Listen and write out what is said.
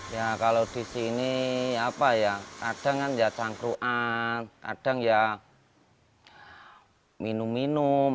ya kalau di sini apa ya kadang kan ya cangkruan kadang ya minum minum